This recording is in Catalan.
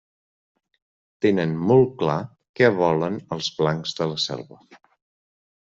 Tenen molt clar què volen els blancs de la selva.